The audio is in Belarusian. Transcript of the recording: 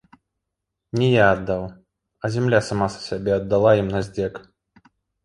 Не я аддаў, а зямля сама сябе аддала ім на здзек.